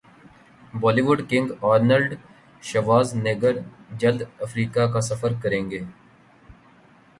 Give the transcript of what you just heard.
Bali would king Arnold Schwarzenegger جلد افریقہ کاسفر کریں گے